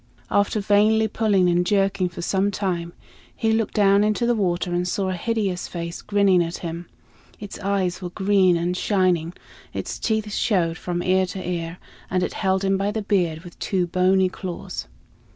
After vainly pulling and jerking for some time, he looked down into the water and saw a hideous face grinning at him. Its eyes were green and shining, its teeth showed from ear to ear, and it held him by the beard with two bony claws.